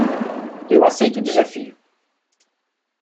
Eu aceito o desafio.